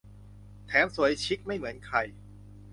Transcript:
แถมสวยชิคไม่เหมือนใคร